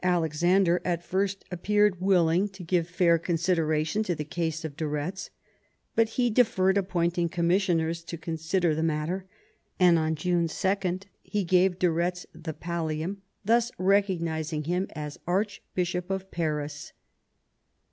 Alexander at first appeared willing to give fair consideration to the case of de Retz. But he deferred appointing commissioners to consider the matter, and on June 2 he gave de Retz the pallium, thus recognising him as Archbishop of Paris.